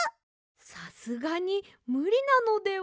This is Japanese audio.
さすがにむりなのでは。